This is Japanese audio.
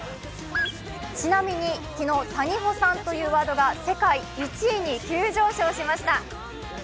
ちなみに昨日、谷保さんというワードが世界１位に浮上しました。